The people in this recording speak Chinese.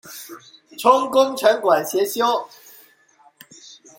充功臣馆协修。